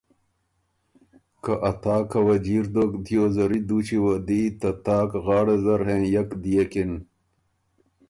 که ا تاکه وه جیر دوک دیو زری دوچی وه دی ته تاک غاړه زر هېنئک ديېکِن۔